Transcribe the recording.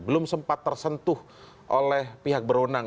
belum sempat tersentuh oleh pihak berwenang